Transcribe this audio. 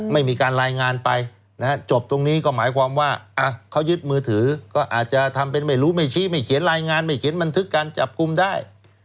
ไม่มีการรายงานไปนะฮะจบตรงนี้ก็หมายความว่าเขายึดมือถือก็อาจจะทำเป็นไม่รู้ไม่ชี้ไม่เขียนรายงานไม่เขียนบันทึกการจับกลุ่มได้